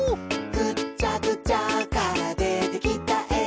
「ぐっちゃぐちゃからでてきたえ」